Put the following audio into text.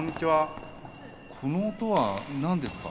この音は何ですか？